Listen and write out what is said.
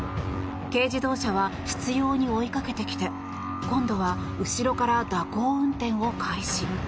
軽自動車は執ように追いかけてきて今度は後ろから蛇行運転を開始。